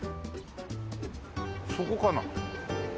そこかな？